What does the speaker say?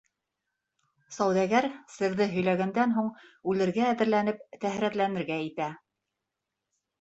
Сауҙагәр, серҙе һөйләгәндән һуң үлергә әҙерләнеп, тәһәрәтләнергә итә.